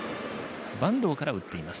板東から打っています。